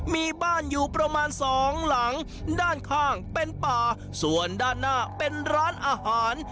มีบ้านอยู่ประมาณสองหลังด้านข้างเป็นป่าส่วนด้านหน้าเป็นร้านอาหาร